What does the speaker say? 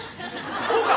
こうか！